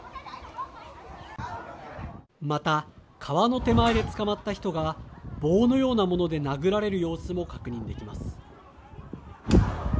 また、川の手前で捕まった人が棒のようなもので殴られる様子も確認できます。